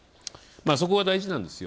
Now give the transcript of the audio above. そこは大事なんですよ。